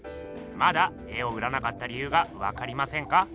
まだ絵を売らなかった理ゆうがわかりませんか？